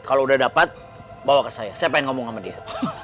kalau udah dapat bawa ke saya saya pengen ngomong sama dia